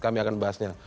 kami akan bahasnya